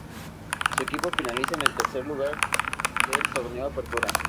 Su equipo finaliza en el tercer lugar del Torneo Apertura.